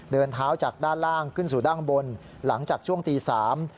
เดินเท้าจากด้านล่างขึ้นสู่ด้านบนหลังจากช่วงตีสาม